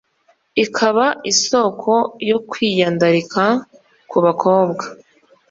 ikaba isoko yo kwiyandarika ku bakobwa.